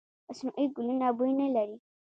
مصنوعي ګلونه بوی نه لري.